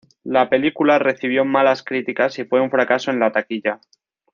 La película recibió malas críticas y fue un fracaso en la taquilla.